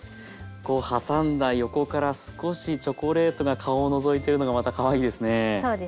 こう挟んだ横から少しチョコレートが顔をのぞいてるのがまたかわいいですね。